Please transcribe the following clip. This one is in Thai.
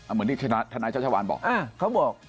เหมือนที่ทนายชัชวานบอกเขาบอก